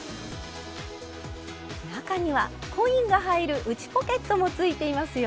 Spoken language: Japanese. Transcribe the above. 中にはコインが入る内ポケットもついていますよ。